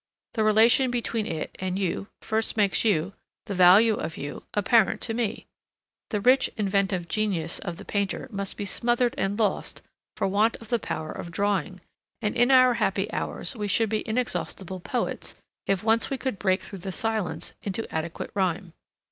The relation between it and you first makes you, the value of you, apparent to me. The rich inventive genius of the painter must be smothered and lost for want of the power of drawing, and in our happy hours we should be inexhaustible poets if once we could break through the silence into adequate rhyme.